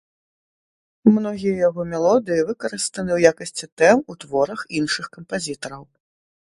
Многія яго мелодыі выкарыстаны ў якасці тэм у творах іншых кампазітараў.